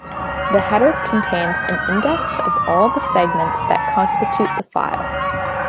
The header contains an index of all the segments that constitute the file.